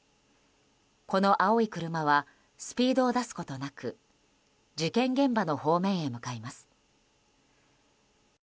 この青い車はスピードを出すことなく事件現場の方面へ向かいます。